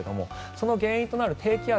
その原因となる低気圧